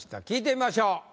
聞いてみましょう。